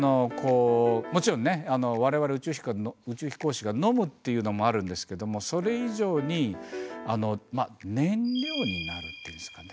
もちろんね我々宇宙飛行士が飲むっていうのもあるんですけどもそれ以上に燃料になるっていうんですかね。